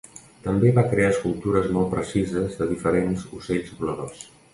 També va crear escultures molt precises de diferents ocells voladors.